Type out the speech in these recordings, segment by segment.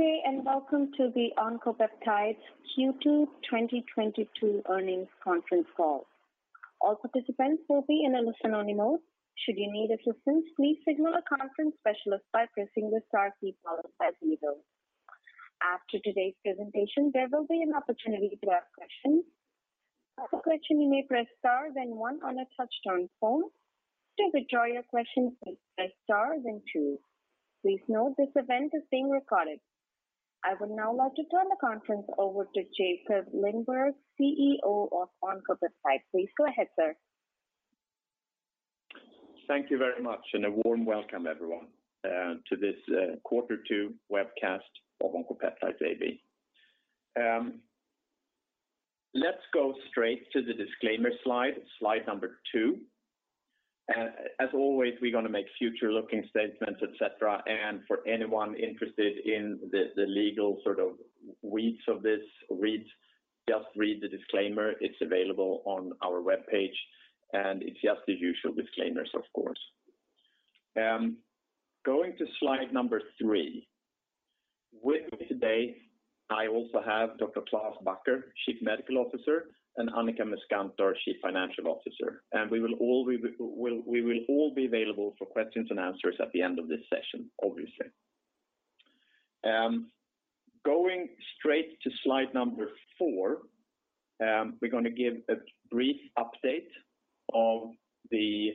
Good day, and welcome to the Oncopeptides Q2 2022 earnings conference call. All participants will be in a listen-only mode. Should you need assistance, please signal a conference specialist by pressing the star key followed by zero. After today's presentation, there will be an opportunity to ask questions. To ask a question you may press star then one on a touch-tone phone. To withdraw your question, please press star then two. Please note this event is being recorded. I would now like to turn the conference over to Jakob Lindberg, CEO of Oncopeptides. Please go ahead, sir. Thank you very much and a warm welcome everyone, to this, quarter two webcast of Oncopeptides AB. Let's go straight to the disclaimer slide number two. As always, we're gonna make future-looking statements, et cetera. For anyone interested in the legal sort of weeds of this, just read the disclaimer. It's available on our webpage, and it's just the usual disclaimers, of course. Going to slide number three. With me today, I also have Dr. Klaas Bakker, Chief Medical Officer, and Annika Muskantor, Chief Financial Officer. We will all be available for questions and answers at the end of this session, obviously. Going straight to slide number four, we're gonna give a brief update of the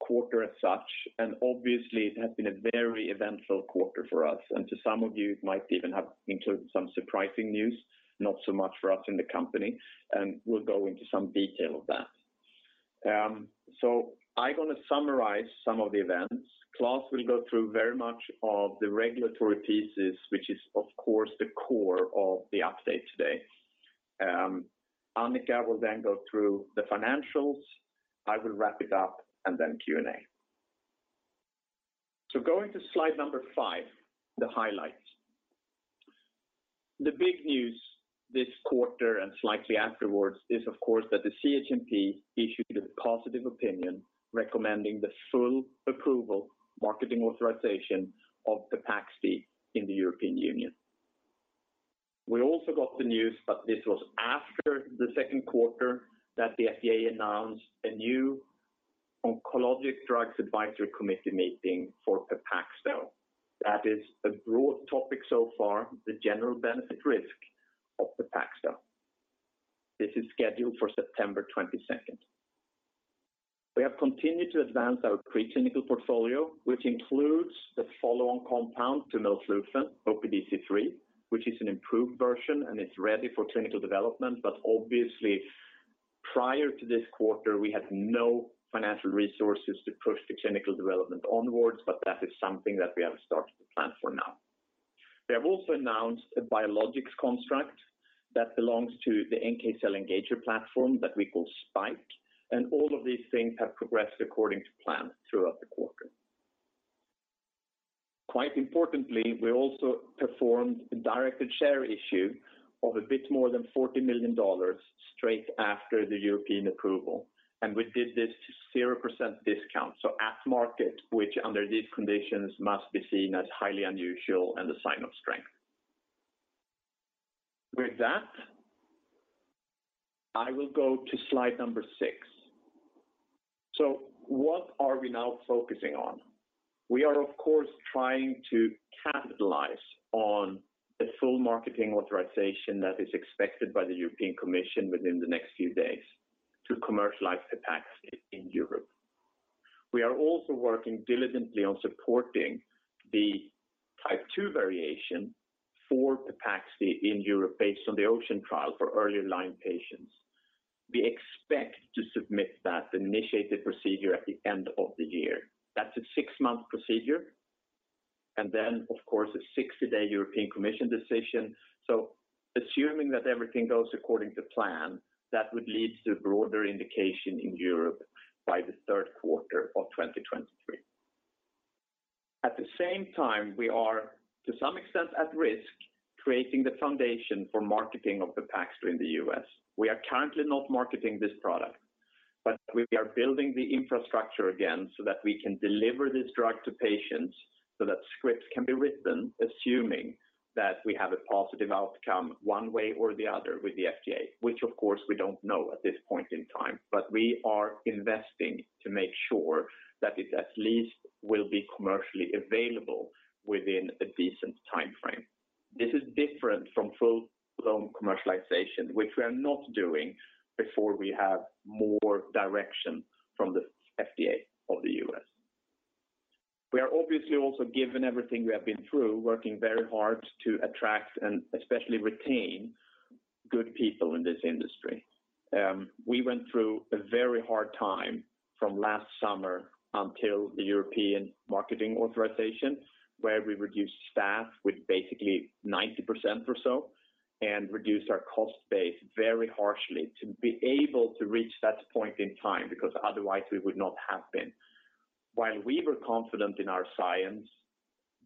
quarter as such, and obviously it has been a very eventful quarter for us. To some of you it might even have included some surprising news, not so much for us in the company, and we'll go into some detail of that. I'm gonna summarize some of the events. Klaas will go through very much of the regulatory pieces, which is of course the core of the update today. Annika will then go through the financials. I will wrap it up and then Q&A. Going to slide number five, the highlights. The big news this quarter and slightly afterwards is of course, that the CHMP issued a positive opinion recommending the full approval marketing authorization of Pepaxti in the European Union. We also got the news that this was after the second quarter that the FDA announced a new Oncologic Drugs Advisory Committee meeting for Pepaxto. That is a broad topic so far, the general benefit risk of Pepaxto. This is scheduled for September 22nd. We have continued to advance our preclinical portfolio, which includes the follow-on compound to melflufen, OPD5, which is an improved version, and it's ready for clinical development. Obviously prior to this quarter, we had no financial resources to push the clinical development onwards, but that is something that we have started to plan for now. We have also announced a biologics construct that belongs to the NK cell engager platform that we call SPiKE, and all of these things have progressed according to plan throughout the quarter. Quite importantly, we also performed a directed share issue of a bit more than $40 million straight after the European approval. We did this to 0% discount, so at market, which under these conditions must be seen as highly unusual and a sign of strength. With that, I will go to slide number 6. What are we now focusing on? We are of course trying to capitalize on the full marketing authorization that is expected by the European Commission within the next few days to commercialize Pepaxti in Europe. We are also working diligently on supporting the Type II variation for Pepaxti in Europe based on the OCEAN trial for earlier line patients. We expect to submit that and initiate the procedure at the end of the year. That's a 6-month procedure, and then of course a 60-day European Commission decision. Assuming that everything goes according to plan, that would lead to broader indication in Europe by the third quarter of 2023. At the same time, we are to some extent at risk creating the foundation for marketing of Pepaxti in the U.S. We are currently not marketing this product, but we are building the infrastructure again so that we can deliver this drug to patients so that scripts can be written assuming that we have a positive outcome one way or the other with the FDA, which of course we don't know at this point in time. We are investing to make sure that it at least will be commercially available within a decent timeframe. This is different from full-blown commercialization, which we are not doing before we have more direction from the FDA of the U.S. We are obviously also given everything we have been through, working very hard to attract and especially retain good people in this industry. We went through a very hard time from last summer until the European marketing authorization, where we reduced staff with basically 90% or so, and reduced our cost base very harshly to be able to reach that point in time because otherwise we would not have been. While we were confident in our science,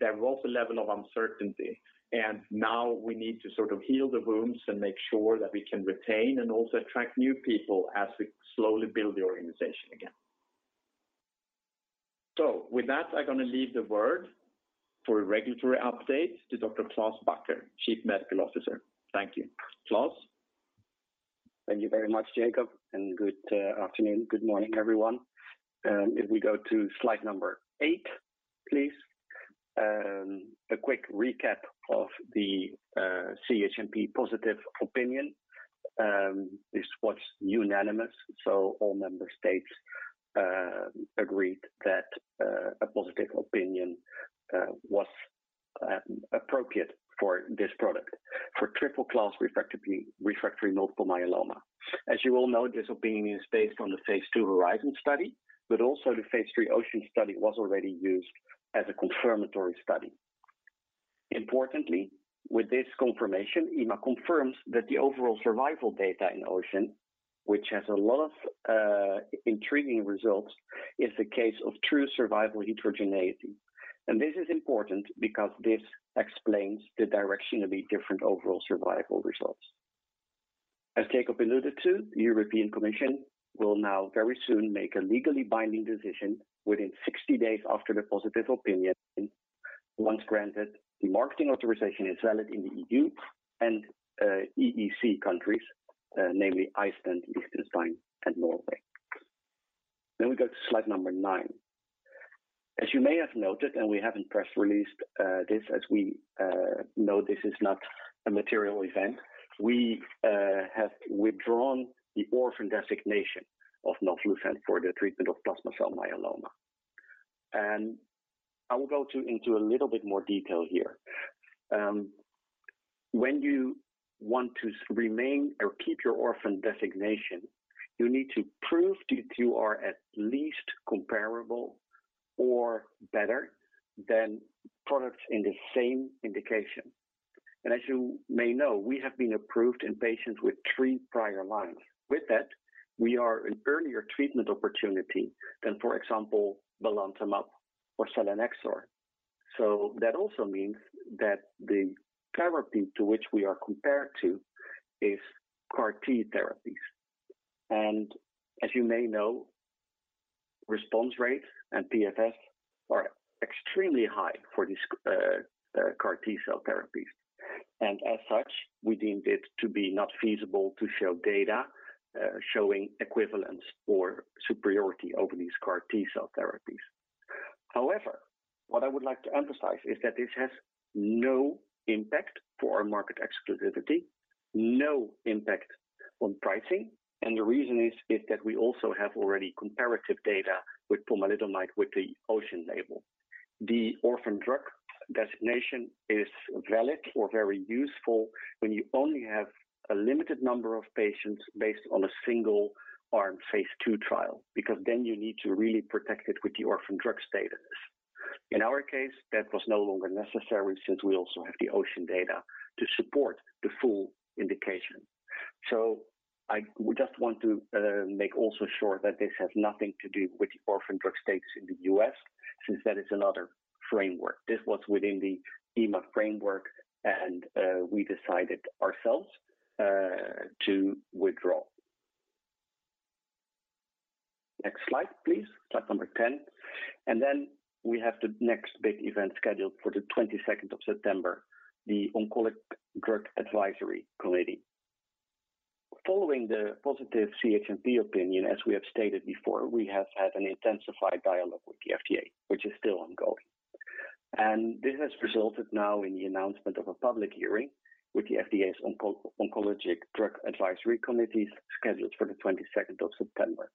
there was a level of uncertainty, and now we need to sort of heal the wounds and make sure that we can retain and also attract new people as we slowly build the organization again. With that, I'm gonna leave the word for a regulatory update to Dr. Klaas Bakker, Chief Medical Officer. Thank you. Klaas? Thank you very much, Jakob, and good afternoon, good morning, everyone. If we go to slide number eight, please. A quick recap of the CHMP positive opinion. This was unanimous, so all member states agreed that a positive opinion was appropriate for this product for triple-class refractory multiple myeloma. As you all know, this opinion is based on the phase II HORIZON study, but also the phase III OCEAN study was already used as a confirmatory study. Importantly, with this confirmation, EMA confirms that the overall survival data in OCEAN, which has a lot of intriguing results, is a case of true survival heterogeneity. This is important because this explains the directionally different overall survival results. As Jakob alluded to, the European Commission will now very soon make a legally binding decision within 60 days after the positive opinion. Once granted, the marketing authorization is valid in the EU and EEA countries, namely Iceland, Liechtenstein, and Norway. We go to slide number nine. As you may have noted, we haven't press released this as we know this is not a material event, we have withdrawn the orphan designation of melflufen for the treatment of plasma cell myeloma. I will go into a little bit more detail here. When you want to remain or keep your orphan designation, you need to prove that you are at least comparable or better than products in the same indication. As you may know, we have been approved in patients with three prior lines. With that, we are an earlier treatment opportunity than, for example, belantamab mafodotin or selinexor. That also means that the therapy to which we are compared to is CAR-T therapies. As you may know, response rate and PFS are extremely high for these CAR-T cell therapies. As such, we deemed it to be not feasible to show data showing equivalence or superiority over these CAR-T cell therapies. However, what I would like to emphasize is that this has no impact for our market exclusivity, no impact on pricing. The reason is that we also have already comparative data with pomalidomide with the OCEAN label. The orphan drug designation is valid or very useful when you only have a limited number of patients based on a single arm phase II trial, because then you need to really protect it with the orphan drug status. In our case, that was no longer necessary since we also have the OCEAN data to support the full indication. I just want to make also sure that this has nothing to do with the orphan drug status in the U.S., since that is another framework. This was within the EMA framework and we decided ourselves to withdraw. Next slide, please. Slide number 10. We have the next big event scheduled for the twenty-second of September, the Oncologic Drugs Advisory Committee. Following the positive CHMP opinion, as we have stated before, we have had an intensified dialogue with the FDA, which is still ongoing. This has resulted now in the announcement of a public hearing with the FDA's Oncologic Drugs Advisory Committee scheduled for the twenty-second of September.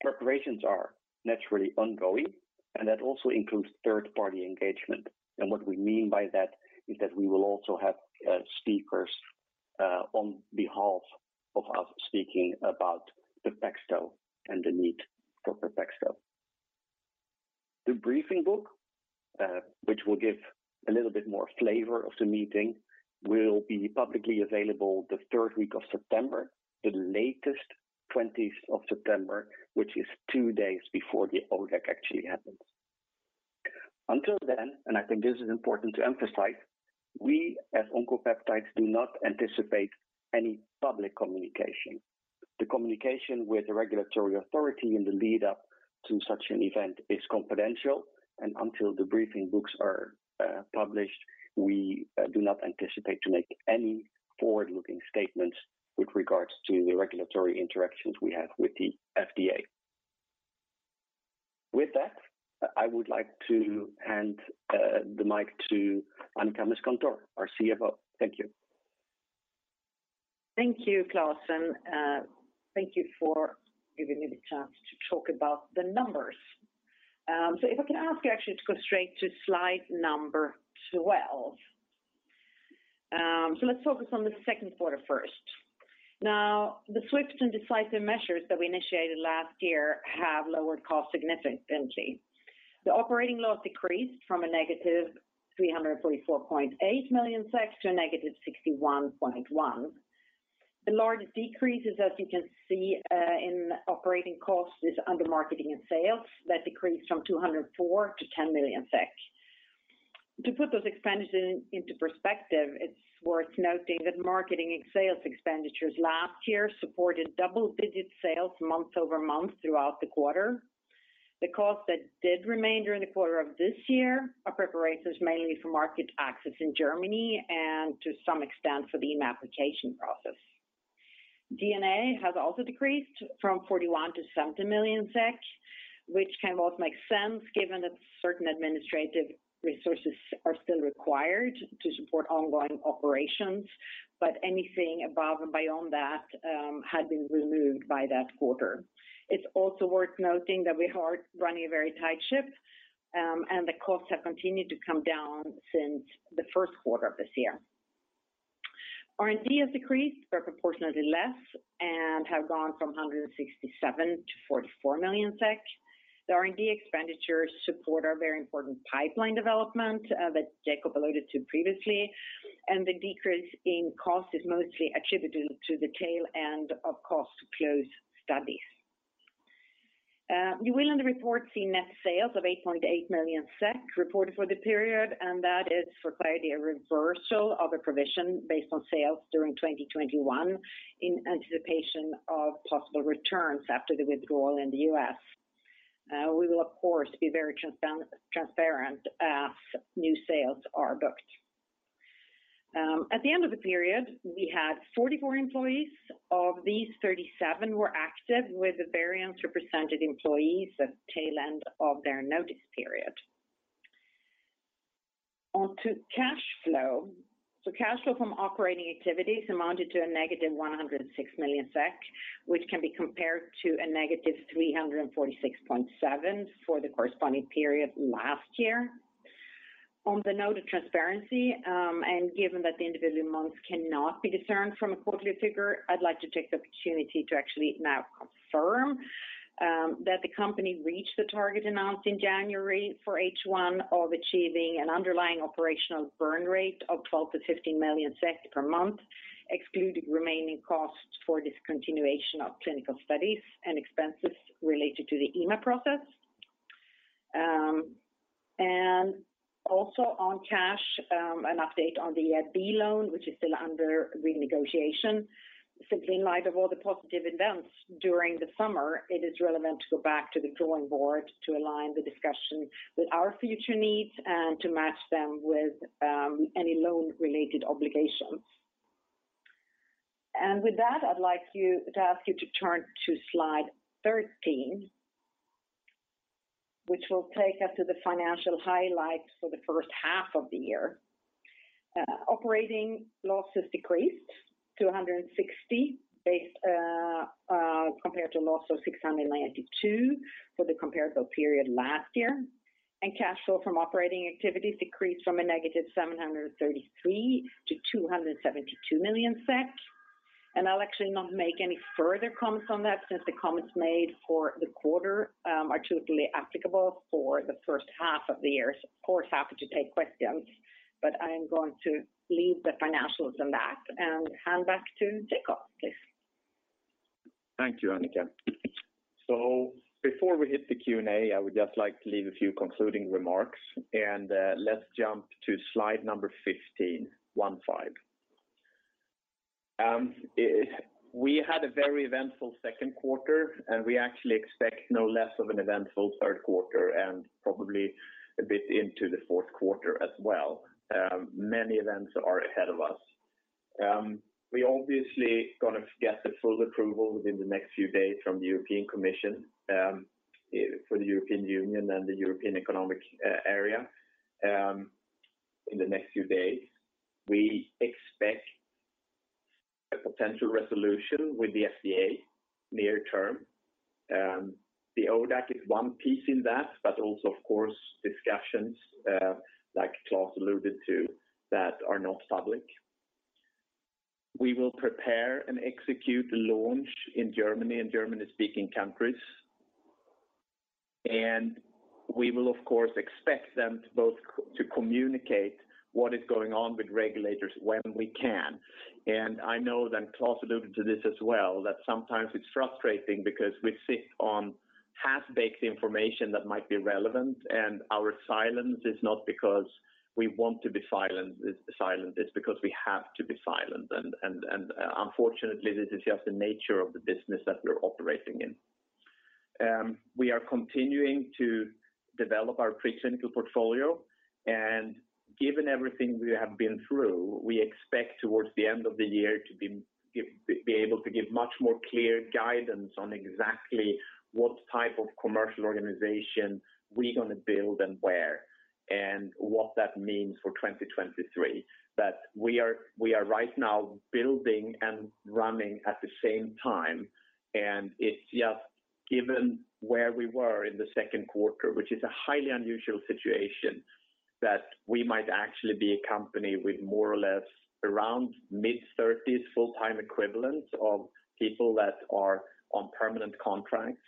Preparations are naturally ongoing, and that also includes third-party engagement. What we mean by that is that we will also have speakers on behalf of us speaking about Pepaxto and the need for Pepaxto. The briefing book, which will give a little bit more flavor of the meeting, will be publicly available the third week of September, the latest twentieth of September, which is two days before the ODAC actually happens. Until then, and I think this is important to emphasize, we as Oncopeptides do not anticipate any public communication. The communication with the regulatory authority in the lead up to such an event is confidential, and until the briefing books are published, we do not anticipate to make any forward-looking statements with regards to the regulatory interactions we have with the FDA. With that, I would like to hand the mic to Annika Muskantor, our CFO. Thank you. Thank you, Klaas, and thank you for giving me the chance to talk about the numbers. If I can ask you actually to go straight to slide number 12. Let's focus on the second quarter first. Now, the swift and decisive measures that we initiated last year have lowered costs significantly. The operating loss decreased from -344.8 million--61.1 million. The largest decreases, as you can see, in operating costs is under marketing and sales. That decreased from 204 million-10 million SEK. To put those expenditures into perspective, it's worth noting that marketing and sales expenditures last year supported double-digit sales month-over-month throughout the quarter. The costs that did remain during the quarter of this year are preparations mainly for market access in Germany and to some extent for the EMA application process. G&A has also decreased from 41 million-17 million SEK, which can both make sense given that certain administrative resources are still required to support ongoing operations. Anything above and beyond that, had been removed by that quarter. It's also worth noting that we are running a very tight ship, and the costs have continued to come down since the first quarter of this year. R&D has decreased but proportionately less and have gone from 167 million-44 million SEK. The R&D expenditures support our very important pipeline development, that Jakob alluded to previously, and the decrease in cost is mostly attributed to the tail end of cost to close studies. You will, in the report, see net sales of 8.8 million SEK reported for the period, and that is for quite a reversal of a provision based on sales during 2021 in anticipation of possible returns after the withdrawal in the U.S. We will of course be very transparent as new sales are booked. At the end of the period, we had 44 employees. Of these, 37 were active, with various redundant employees at tail end of their notice period. On to cash flow. Cash flow from operating activities amounted to a negative 106 million SEK, which can be compared to a negative 346.7 million for the corresponding period last year. On the note of transparency, and given that the individual months cannot be discerned from a quarterly figure, I'd like to take the opportunity to actually now confirm, that the company reached the target announced in January for H1 of achieving an underlying operational burn rate of 12 million-15 million per month, excluding remaining costs for discontinuation of clinical studies and expenses related to the EMA process. Also on cash, an update on the EIB loan, which is still under renegotiation. Simply in light of all the positive events during the summer, it is relevant to go back to the drawing board to align the discussion with our future needs and to match them with any loan-related obligations. With that, I'd like to ask you to turn to slide 13, which will take us to the financial highlights for the first half of the year. Operating losses decreased to 160 million, compared to a loss of 692 million for the comparable period last year. Cash flow from operating activities decreased from -733 million-272 million SEK. I'll actually not make any further comments on that since the comments made for the quarter are totally applicable for the first half of the year. Of course, happy to take questions, but I am going to leave the financials on that and hand back to Jakob, please. Thank you, Annika. Before we hit the Q&A, I would just like to leave a few concluding remarks and let's jump to slide number 15. We had a very eventful second quarter, and we actually expect no less of an eventful third quarter and probably a bit into the fourth quarter as well. Many events are ahead of us. We obviously gonna get the full approval within the next few days from the European Commission for the European Union and the European Economic Area in the next few days. We expect a potential resolution with the FDA near term. The ODAC is one piece in that, but also of course, discussions like Klaas alluded to, that are not public. We will prepare and execute launch in Germany and German-speaking countries, and we will of course expect them both to communicate what is going on with regulators when we can. I know that Klaas alluded to this as well, that sometimes it's frustrating because we sit on half-baked information that might be relevant, and our silence is not because we want to be silent, it's silent. It's because we have to be silent. Unfortunately, this is just the nature of the business that we're operating in. We are continuing to develop our preclinical portfolio, and given everything we have been through, we expect towards the end of the year to be able to give much more clear guidance on exactly what type of commercial organization we're gonna build and where, and what that means for 2023. We are right now building and running at the same time. It's just given where we were in the second quarter, which is a highly unusual situation, that we might actually be a company with more or less around mid-thirties full-time equivalents of people that are on permanent contracts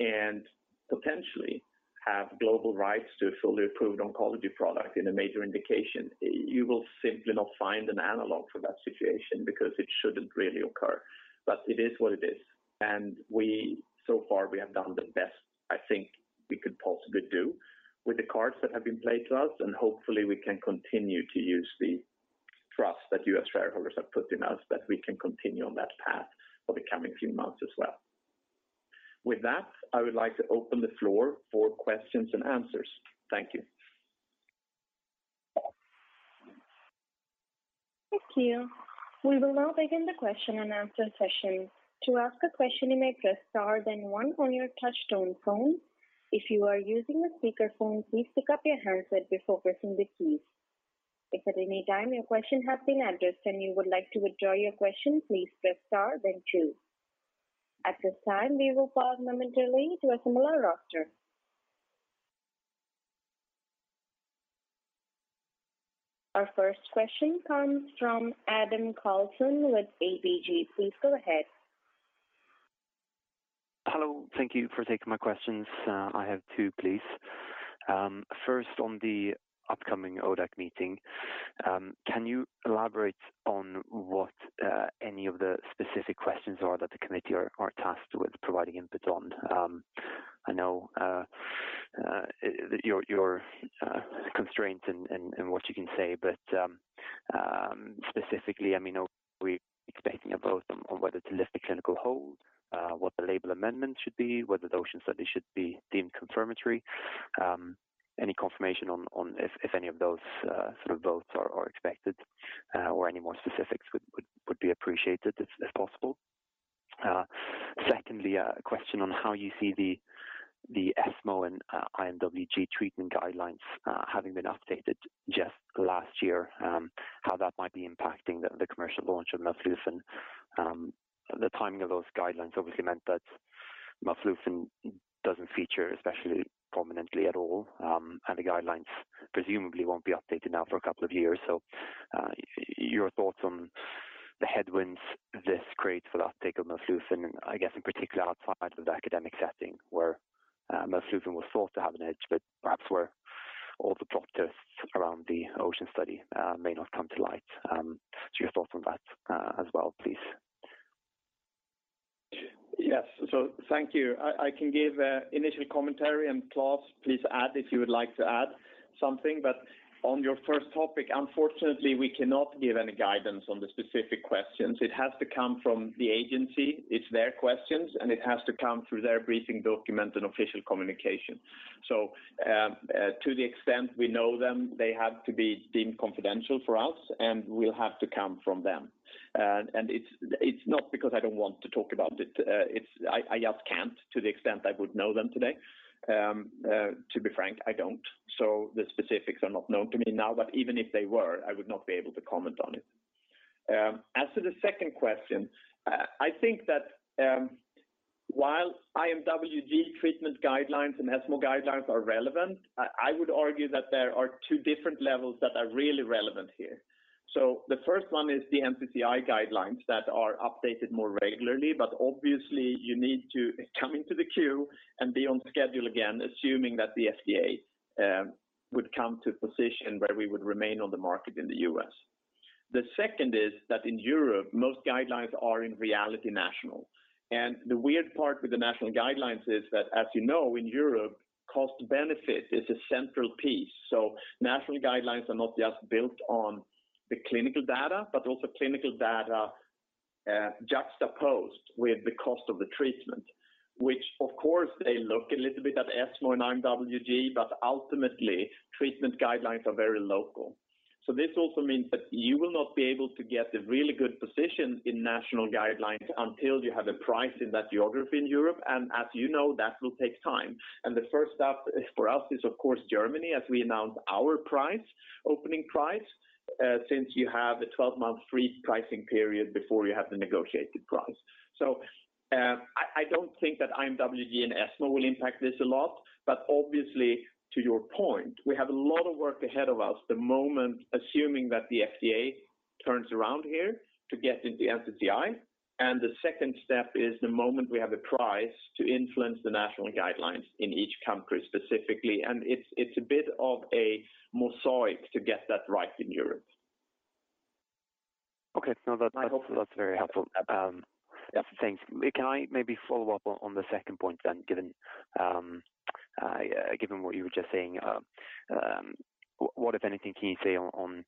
and potentially have global rights to a fully approved oncology product in a major indication. You will simply not find an analog for that situation because it shouldn't really occur. It is what it is. We, so far, we have done the best I think we could possibly do with the cards that have been played to us, and hopefully, we can continue to use the trust that U.S. shareholders have put in us that we can continue on that path for the coming few months as well. With that, I would like to open the floor for questions and answers. Thank you. Thank you. We will now begin the question and answer session. To ask a question, you may press star then one on your touchtone phone. If you are using a speakerphone, please pick up your handset before pressing the keys. If at any time your question has been addressed and you would like to withdraw your question, please press star then two. At this time, we will pause momentarily to assemble our roster. Our first question comes from Adam Karlsson with ABG. Please go ahead. Hello. Thank you for taking my questions. I have two, please. First, on the upcoming ODAC meeting, can you elaborate on what any of the specific questions are that the committee are tasked with providing input on? I know your constraint and what you can say, but specifically, I mean, are we expecting a vote on whether to lift the clinical hold, what the label amendment should be, whether the OCEAN study should be deemed confirmatory? Any confirmation on if any of those sort of votes are expected, or any more specifics would be appreciated if possible. Secondly, a question on how you see the ESMO and IMWG treatment guidelines having been updated just last year, how that might be impacting the commercial launch of melflufen. The timing of those guidelines obviously meant that melflufen doesn't feature especially prominently at all, and the guidelines presumably won't be updated now for a couple of years. Your thoughts on the headwinds this creates for the uptake of melflufen, I guess in particular outside of the academic setting where melflufen was thought to have an edge, but perhaps where all the protests around the OCEAN study may not come to light. Your thoughts on that as well, please. Yes. Thank you. I can give initial commentary and Klaas, please add if you would like to add something. On your first topic, unfortunately, we cannot give any guidance on the specific questions. It has to come from the agency. It's their questions, and it has to come through their briefing document and official communication. To the extent we know them, they have to be deemed confidential for us and will have to come from them. It's not because I don't want to talk about it. It's, I just can't to the extent I would know them today. To be frank, I don't. The specifics are not known to me now, but even if they were, I would not be able to comment on it. As to the second question, I think that, while IMWG treatment guidelines and ESMO guidelines are relevant, I would argue that there are two different levels that are really relevant here. The first one is the NCCN guidelines that are updated more regularly, but obviously you need to come into the queue and be on schedule again, assuming that the FDA would come to a position where we would remain on the market in the US. The second is that in Europe, most guidelines are in reality national. The weird part with the national guidelines is that, as you know, in Europe, cost benefit is a central piece. National guidelines are not just built on the clinical data, but also clinical data juxtaposed with the cost of the treatment, which of course they look a little bit at ESMO and IMWG, but ultimately treatment guidelines are very local. This also means that you will not be able to get a really good position in national guidelines until you have a price in that geography in Europe. As you know, that will take time. The first step for us is of course Germany, as we announce our price, opening price, since you have a 12-month free pricing period before you have the negotiated price. I don't think that IMWG and ESMO will impact this a lot, but obviously, to your point, we have a lot of work ahead of us the moment, assuming that the FDA turns around here to get into the NCCN. The second step is the moment we have a price to influence the national guidelines in each country specifically. It's a bit of a mosaic to get that right in Europe. Okay. No, that's very helpful. Thanks. Can I maybe follow up on the second point then, given what you were just saying? What, if anything, can you say on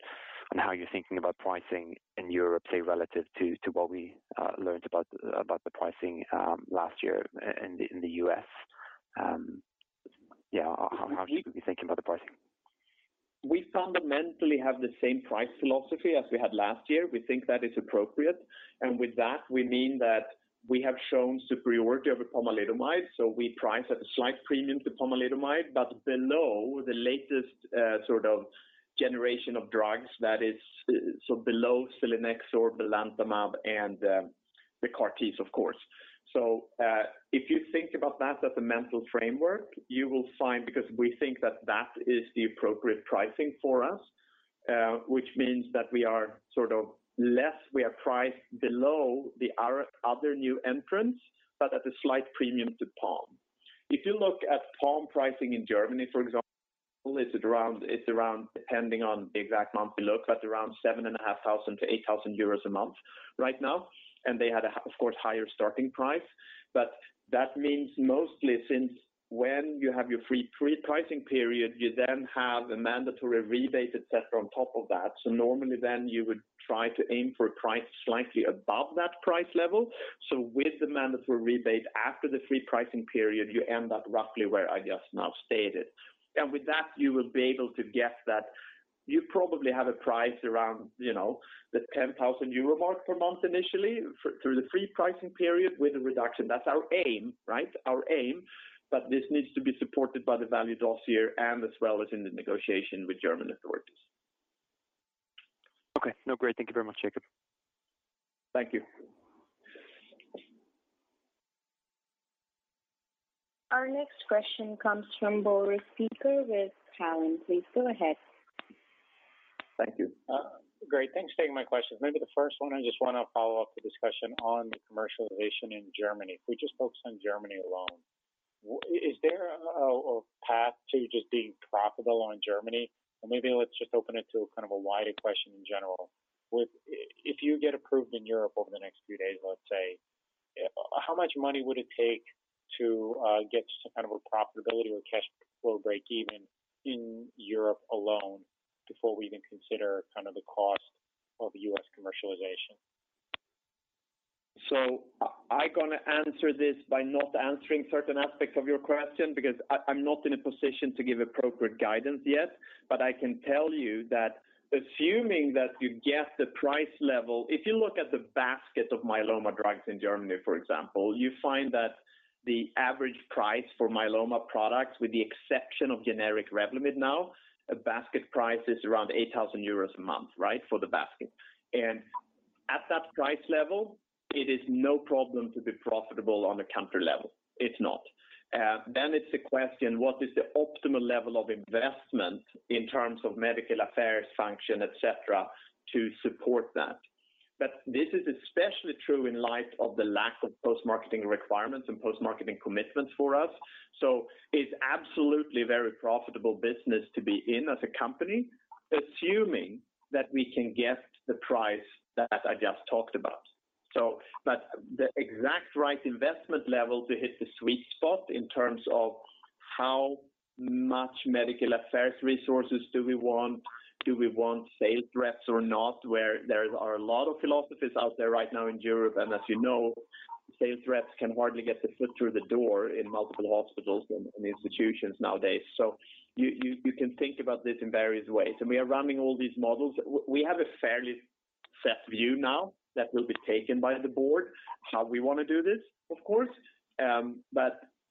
how you're thinking about pricing in Europe, say, relative to what we learned about the pricing last year in the U.S.? Yeah. How should we be thinking about the pricing? We fundamentally have the same price philosophy as we had last year. We think that is appropriate. With that we mean that we have shown superiority over pomalidomide. We price at a slight premium to pomalidomide, but below the latest generation of drugs, below selinexor, belantamab and the CAR-Ts of course. If you think about that as a mental framework, you will find because we think that that is the appropriate pricing for us, which means that we are sort of less. We are priced below the other new entrants, but at a slight premium to pom. If you look at pom pricing in Germany, for example. Well, it's around depending on the exact month below, but around 7,500-8,000 euros a month right now. They had a higher, of course, starting price. That means mostly since when you have your free pricing period, you then have a mandatory rebate, et cetera, on top of that. Normally then you would try to aim for a price slightly above that price level. With the mandatory rebate after the free pricing period, you end up roughly where I just now stated. With that, you will be able to get that. You probably have a price around, you know, the 10,000 euro mark per month initially through the free pricing period with a reduction. That's our aim, right? Our aim. This needs to be supported by the value dossier and as well as in the negotiation with German authorities. Okay. No, great. Thank you very much, Jakob. Thank you. Our next question comes from Boris Peaker with Titan Partners. Please go ahead. Thank you. Great. Thanks for taking my questions. Maybe the first one, I just wanna follow up the discussion on the commercialization in Germany. If we just focus on Germany alone, is there a path to just being profitable in Germany? Or maybe let's just open it to kind of a wider question in general. If you get approved in Europe over the next few days, let's say, how much money would it take to get to some kind of a profitability or cash flow breakeven in Europe alone before we even consider kind of the cost of U.S. commercialization? I'm gonna answer this by not answering certain aspects of your question because I'm not in a position to give appropriate guidance yet. I can tell you that assuming that you get the price level. If you look at the basket of myeloma drugs in Germany, for example, you find that the average price for myeloma products, with the exception of generic Revlimid now, a basket price is around 8,000 euros a month, right, for the basket. At that price level, it is no problem to be profitable on a country level. It's not. It's a question, what is the optimal level of investment in terms of medical affairs function, et cetera, to support that. This is especially true in light of the lack of post-marketing requirements and post-marketing commitments for us. It's absolutely a very profitable business to be in as a company, assuming that we can get the price that I just talked about. The exact right investment level to hit the sweet spot in terms of how much medical affairs resources do we want, do we want sales reps or not, where there are a lot of philosophies out there right now in Europe. As you know, sales reps can hardly get their foot through the door in multiple hospitals and institutions nowadays. You can think about this in various ways. We are running all these models. We have a fairly set view now that will be taken by the board how we wanna do this, of course.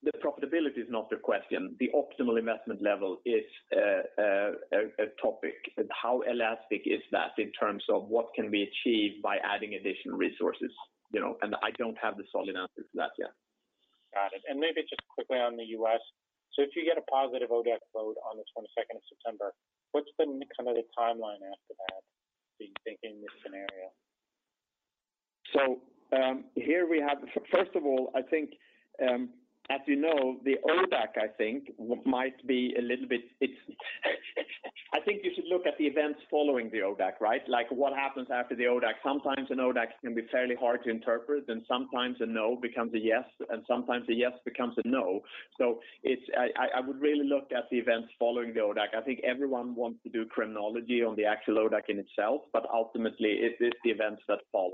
The profitability is not the question. The optimal investment level is a topic. How elastic is that in terms of what can be achieved by adding additional resources, you know? I don't have the solid answer to that yet. Got it. Maybe just quickly on the U.S. If you get a positive ODAC vote on the twenty-second of September, what's the kind of the timeline after that, do you think, in this scenario? First of all, I think, as you know, the ODAC, I think, might be a little bit. I think you should look at the events following the ODAC, right? Like what happens after the ODAC. Sometimes an ODAC can be fairly hard to interpret, and sometimes a no becomes a yes, and sometimes a yes becomes a no. I would really look at the events following the ODAC. I think everyone wants to do chronology on the actual ODAC in itself, but ultimately it's the events that follow.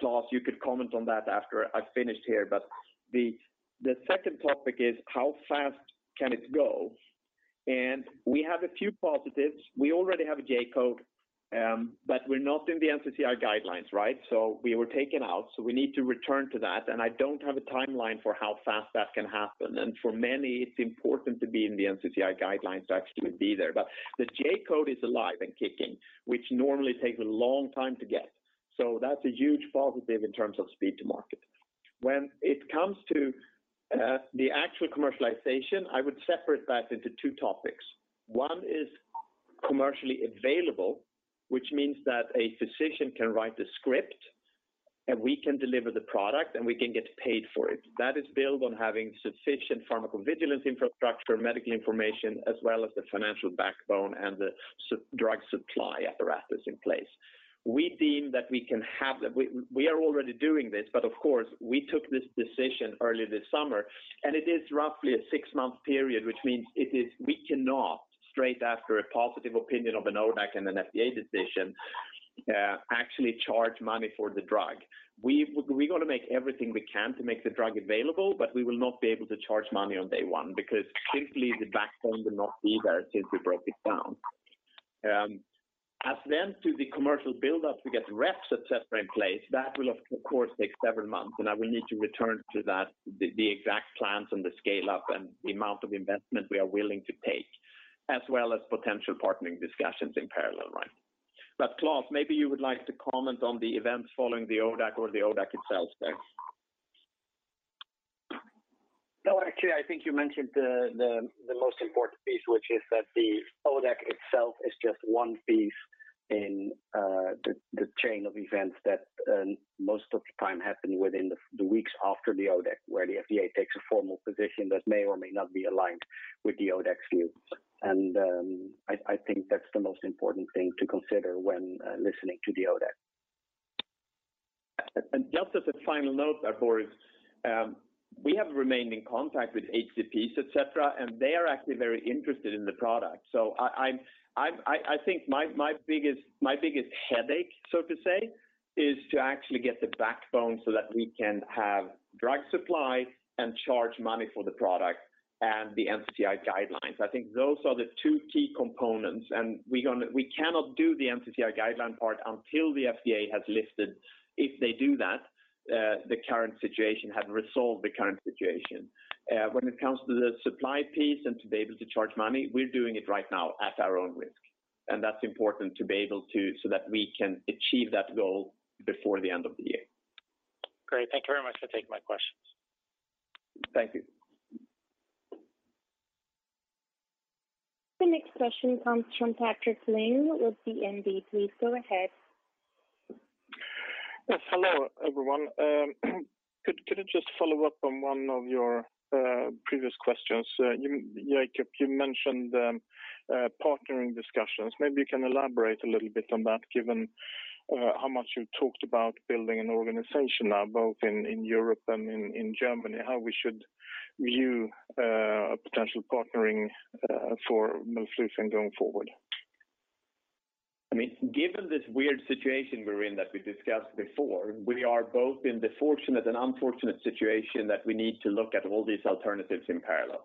Klaas, you could comment on that after I finish here. The second topic is how fast can it go? We have a few positives. We already have a J-code, but we're not in the NCCN guidelines, right? We were taken out, so we need to return to that. I don't have a timeline for how fast that can happen. For many, it's important to be in the NCCN guidelines to actually be there. The J-code is alive and kicking, which normally takes a long time to get. That's a huge positive in terms of speed to market. When it comes to the actual commercialization, I would separate that into two topics. One is commercially available, which means that a physician can write the script, and we can deliver the product, and we can get paid for it. That is built on having sufficient pharmacovigilance infrastructure, medical information, as well as the financial backbone and the supply and drug supply apparatus in place. We deem that we can have the We are already doing this, but of course, we took this decision early this summer. It is roughly a six-month period, which means we cannot straight after a positive opinion of an ODAC and an FDA decision actually charge money for the drug. We gonna make everything we can to make the drug available, but we will not be able to charge money on day one because simply the backbone will not be there since we broke it down. Then to the commercial buildup, we get reps, et cetera, in place. That will of course take several months, and I will need to return to that, the exact plans and the scale-up and the amount of investment we are willing to take, as well as potential partnering discussions in parallel run. Klaas, maybe you would like to comment on the events following the ODAC or the ODAC itself there? No, actually, I think you mentioned the most important piece, which is that the ODAC itself is just one piece. In the chain of events that most of the time happen within the weeks after the ODAC, where the FDA takes a formal position that may or may not be aligned with the ODAC's views. I think that's the most important thing to consider when listening to the ODAC. Just as a final note, Boris Peaker, we have remained in contact with HCPs, et cetera, and they are actually very interested in the product. I think my biggest headache, so to say, is to actually get the backbone so that we can have drug supply and charge money for the product and the NCCN guidelines. I think those are the two key components, and we cannot do the NCCN guideline part until the FDA has lifted, if they do that, the current situation, have resolved the current situation. When it comes to the supply piece and to be able to charge money, we're doing it right now at our own risk. That's important to be able to so that we can achieve that goal before the end of the year. Great. Thank you very much for taking my questions. Thank you. The next question comes from Patrik Ling with DNB. Please go ahead. Yes, hello, everyone. Could I just follow up on one of your previous questions? You, Jakob, you mentioned partnering discussions. Maybe you can elaborate a little bit on that given how much you talked about building an organization now, both in Europe and in Germany, how we should view a potential partnering for melflufen going forward. I mean, given this weird situation we're in that we discussed before, we are both in the fortunate and unfortunate situation that we need to look at all these alternatives in parallel.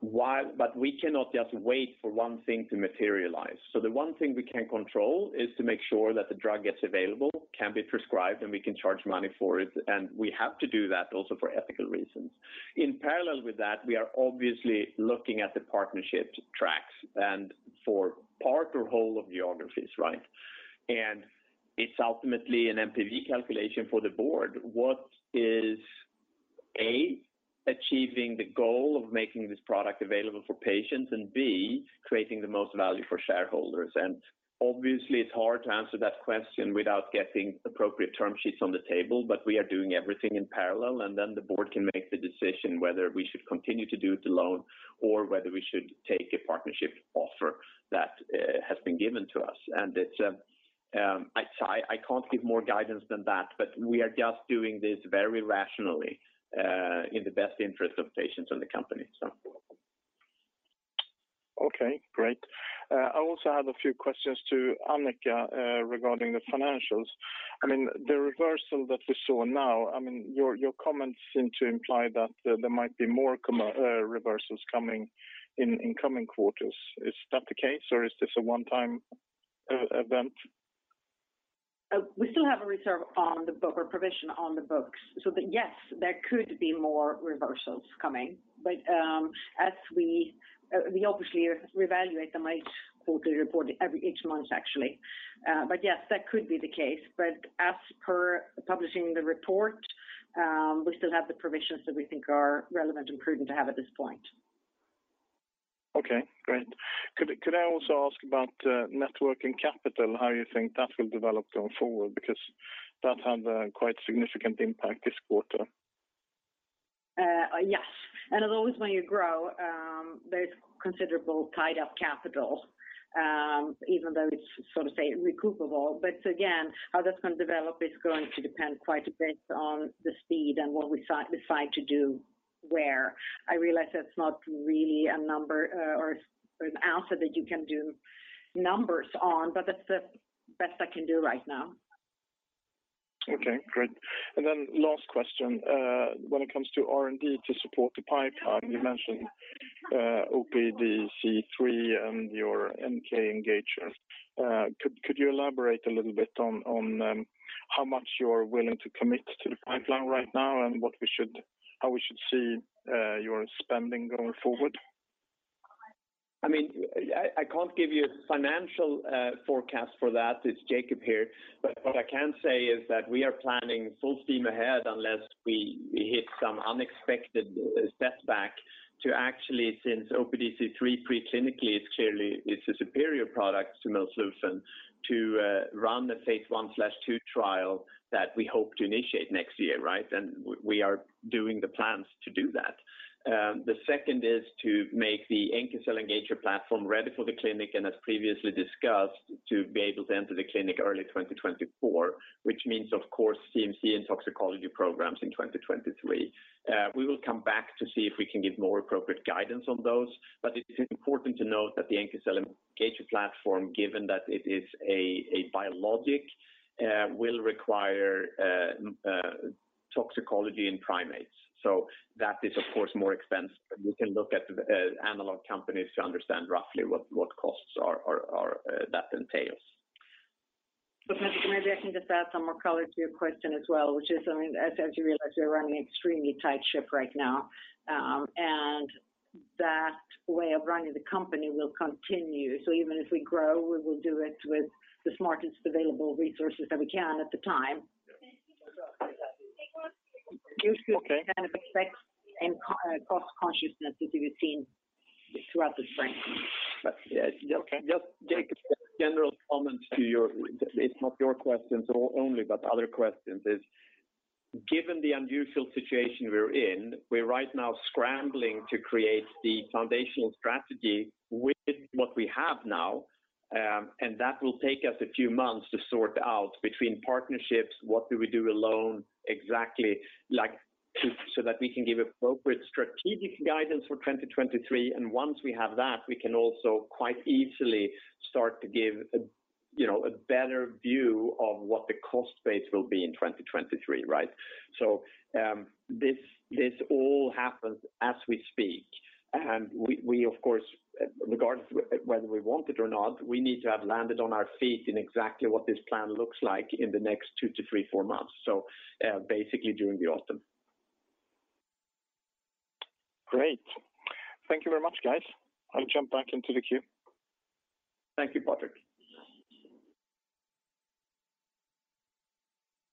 We cannot just wait for one thing to materialize. The one thing we can control is to make sure that the drug gets available, can be prescribed, and we can charge money for it. We have to do that also for ethical reasons. In parallel with that, we are obviously looking at the partnership tracks and for part or whole of geographies, right? It's ultimately an NPV calculation for the board. What is, A, achieving the goal of making this product available for patients, and B, creating the most value for shareholders? Obviously, it's hard to answer that question without getting appropriate term sheets on the table, but we are doing everything in parallel, and then the board can make the decision whether we should continue to do it alone or whether we should take a partnership offer that has been given to us. I can't give more guidance than that, but we are just doing this very rationally, in the best interest of patients and the company, so. Okay, great. I also have a few questions to Annika regarding the financials. I mean, the reversal that we saw now, I mean, your comments seem to imply that there might be more reversals coming in coming quarters. Is that the case, or is this a one-time event? We still have a reserve on the book or provision on the books. Yes, there could be more reversals coming. As we obviously reevaluate them each quarterly report, every month, actually. Yes, that could be the case. As per publishing the report, we still have the provisions that we think are relevant and prudent to have at this point. Okay, great. Could I also ask about net working capital, how you think that will develop going forward? Because that had a quite significant impact this quarter. Yes. As always, when you grow, there's considerable tied-up capital, even though it's, so to say, recoverable. Again, how that's gonna develop is going to depend quite a bit on the speed and what we decide to do where. I realize that's not really a number, or an answer that you can do numbers on, but that's the best I can do right now. Okay, great. Last question. When it comes to R&D to support the pipeline, you mentioned OPD5 and your NK engager. Could you elaborate a little bit on how much you're willing to commit to the pipeline right now and how we should see your spending going forward? I mean, I can't give you financial forecast for that. It's Jakob here. What I can say is that we are planning full steam ahead unless we hit some unexpected setback to actually since OPD5 preclinically is clearly a superior product to melflufen to run the phase I/ phase II trial that we hope to initiate next year, right? We are doing the plans to do that. The second is to make the NK cell engager platform ready for the clinic, and as previously discussed, to be able to enter the clinic early 2024, which means, of course, CMC and toxicology programs in 2023. We will come back to see if we can give more appropriate guidance on those. It is important to note that the NK cell engager platform, given that it is a biologic, will require toxicology in primates. That is, of course, more expensive. You can look at analog companies to understand roughly what costs that entails. Maybe I can just add some more color to your question as well, which is, I mean, as you realize, we're running an extremely tight ship right now. That way of running the company will continue. Even if we grow, we will do it with the smartest available resources that we can at the time. Okay Kind of effects and cost consciousness that you've seen throughout the strength. Yeah. Okay. Just, Jakob, general comment to your. It's not only your question but other questions is, given the unusual situation we're in, we're right now scrambling to create the foundational strategy with what we have now. That will take us a few months to sort out between partnerships, what do we do alone, exactly, so that we can give appropriate strategic guidance for 2023. Once we have that, we can also quite easily start to give a, you know, a better view of what the cost base will be in 2023, right? This all happens as we speak. We of course, regardless whether we want it or not, we need to have landed on our feet in exactly what this plan looks like in the next 2 months-4 months. Basically during the autumn. Great. Thank you very much, guys. I'll jump back into the queue. Thank you, Patrik.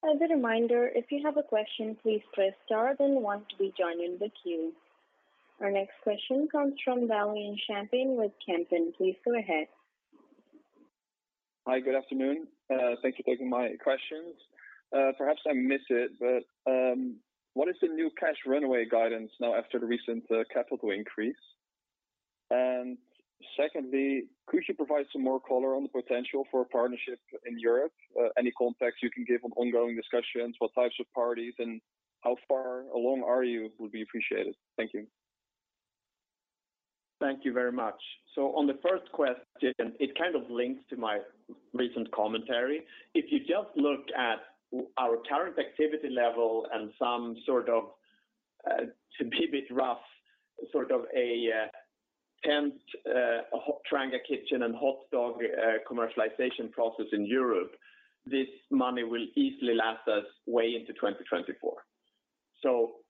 As a reminder, if you have a question, please press star then one to be joined in the queue. Our next question comes from Valentin Champagne with Kempen. Please go ahead. Hi, good afternoon. Thank you for taking my questions. Perhaps I missed it, but what is the new cash runway guidance now after the recent capital increase? Secondly, could you provide some more color on the potential for a partnership in Europe? Any context you can give on ongoing discussions, what types of parties, and how far along are you would be appreciated. Thank you. Thank you very much. On the first question, it kind of links to my recent commentary. If you just look at our current activity level and some sort of, to be a bit rough, sort of a tent, trying a kitchen and hot dog commercialization process in Europe, this money will easily last us way into 2024.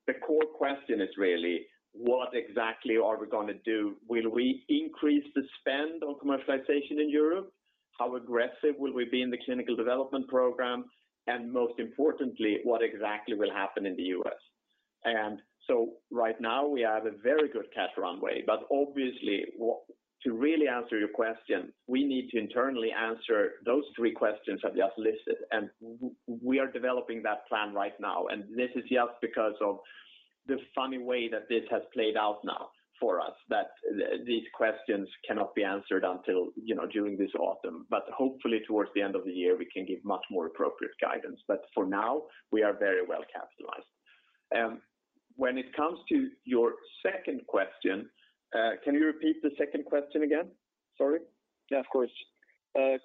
The core question is really what exactly are we gonna do? Will we increase the spend on commercialization in Europe? How aggressive will we be in the clinical development program? Most importantly, what exactly will happen in the U.S.? Right now we have a very good cash runway, but obviously, to really answer your question, we need to internally answer those three questions I've just listed, and we are developing that plan right now. This is just because of the funny way that this has played out now for us, that these questions cannot be answered until, you know, during this autumn. Hopefully towards the end of the year, we can give much more appropriate guidance. For now, we are very well capitalized. When it comes to your second question, can you repeat the second question again? Sorry. Yeah, of course.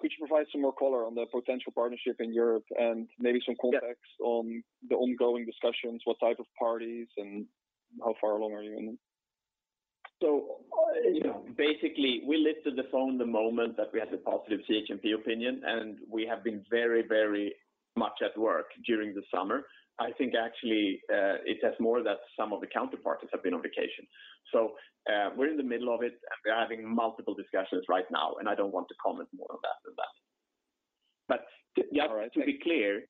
Could you provide some more color on the potential partnership in Europe and maybe some context? Yeah. On the ongoing discussions, what type of parties and how far along are you in? You know, basically we lifted the phone the moment that we had a positive CHMP opinion, and we have been very, very much at work during the summer. I think actually, it says more that some of the counterparts have been on vacation. We're in the middle of it. We're having multiple discussions right now, and I don't want to comment more on that than that. All right. Just to be clear,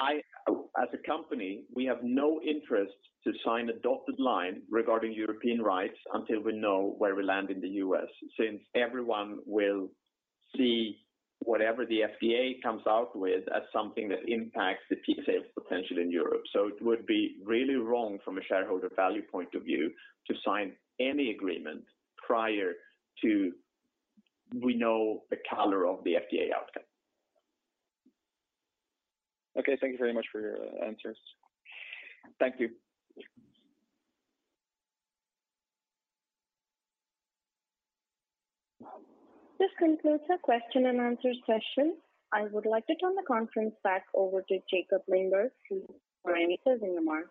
as a company, we have no interest to sign a dotted line regarding European rights until we know where we land in the U.S., since everyone will see whatever the FDA comes out with as something that impacts the peak sales potential in Europe. It would be really wrong from a shareholder value point of view to sign any agreement prior to we know the color of the FDA outcome. Okay. Thank you very much for your answers. Thank you. This concludes our question and answer session. I would like to turn the conference back over to Jakob Lindberg for any closing remarks.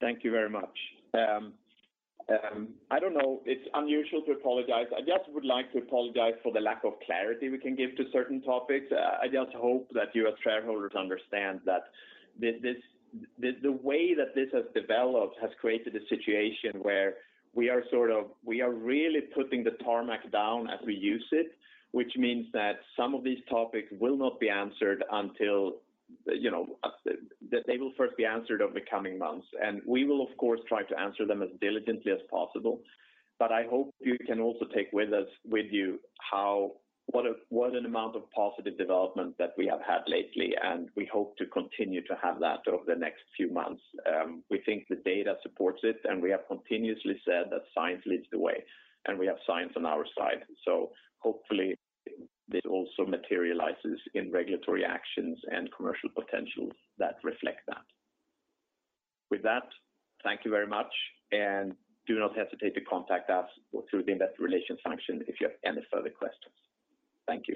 Thank you very much. I don't know, it's unusual to apologize. I just would like to apologize for the lack of clarity we can give to certain topics. I just hope that you as shareholders understand that the way that this has developed has created a situation where we are sort of. We are really putting the tarmac down as we use it, which means that some of these topics will not be answered until they will first be answered over the coming months. We will of course try to answer them as diligently as possible. I hope you can also take with you what an amount of positive development that we have had lately, and we hope to continue to have that over the next few months. We think the data supports it, and we have continuously said that science leads the way, and we have science on our side. Hopefully this also materializes in regulatory actions and commercial potentials that reflect that. With that, thank you very much, and do not hesitate to contact us or through the investor relations function if you have any further questions. Thank you.